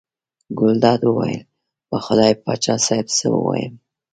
ګلداد وویل: په خدای پاچا صاحب څه ووایم.